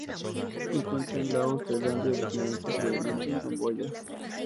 Se encuentra en Laos, Tailandia, Vietnam y, posiblemente en Camboya.